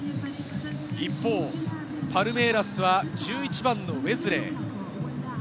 一方、パルメイラスは１１番のウェズレイ。